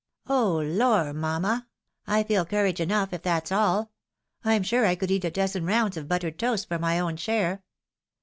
" Oh, lor ! mamma, I feel courage enough, if that's all. I'm sure I could eat a dozen rounds of buttered toast for my own share.